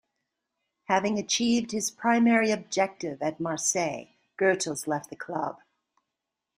Having achieved his primary objective at Marseille, Goethals left the club.